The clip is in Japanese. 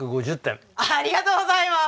ありがとうございます！